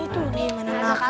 ini tuh nih mainan aku